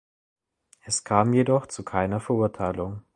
Es kam jedoch zu keiner Verurteilung.